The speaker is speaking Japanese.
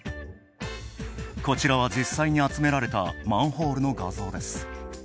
こちらは、実際に集められたマンホールの画像です。